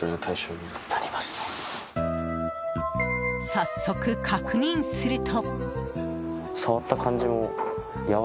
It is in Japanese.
早速、確認すると。